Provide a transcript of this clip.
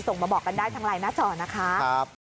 มาบอกกันได้ทางไลน์หน้าจอนะคะ